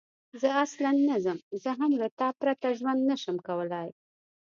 زه اصلاً نه ځم، زه هم له تا پرته ژوند نه شم کولای.